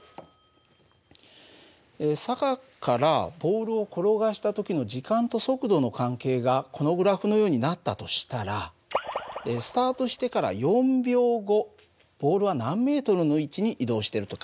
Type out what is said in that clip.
坂からボールを転がした時の時間と速度の関係がこのグラフのようになったとしたらスタートしてから４秒後ボールは何ｍの位置に移動してると考えられるかな？